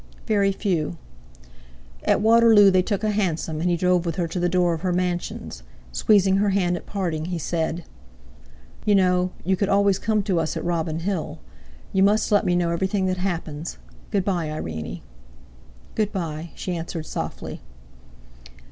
"Very few." At Waterloo they took a hansom, and he drove with her to the door of her mansions. Squeezing her hand at parting, he said: "You know, you could always come to us at Robin Hill; you must let me know everything that happens. Good bye, Irene." "Good bye," she answered softly.